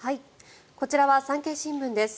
こちらは産経新聞です。